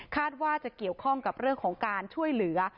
ว่าจะเกี่ยวข้องกับเรื่องของการช่วยเหลือ